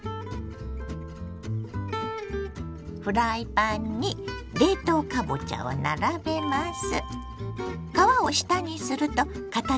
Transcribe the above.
フライパンに冷凍かぼちゃを並べます。